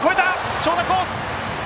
長打コース！